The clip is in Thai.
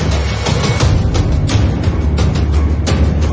แล้วก็พอเล่ากับเขาก็คอยจับอย่างนี้ครับ